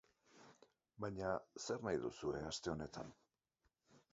Baina zer nahi duzue aste honetan?